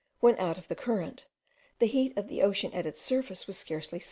when, out of the current, the heat of the ocean at its surface was scarcely 17.